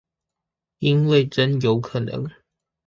因為真有可能